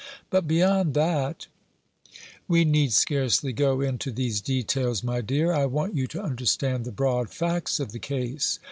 But beyond that " "We need scarcely go into these details, my dear. I want you to understand the broad facts of the case.